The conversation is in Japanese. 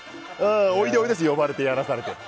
おいで、おいでって呼ばれて、やらされて。